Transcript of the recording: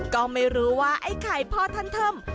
ก็ไม่รู้ว่าไอ้ไข่พ่อท่านเทิม